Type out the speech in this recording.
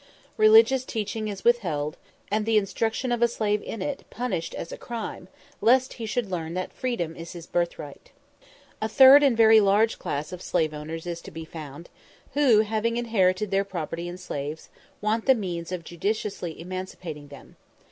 Religious teaching is withheld, reading is forbidden, and the instruction of a slave in it punished as a crime, lest he should learn that freedom is his birthright. A third and very large class of slave owners is to be found, who, having inherited their property in slaves, want the means of judiciously emancipating them.